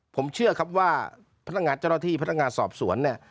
ผมเชื่อครับว่าพนักงานเจ้าหน้าที่พนักงานสอบสวนเนี่ย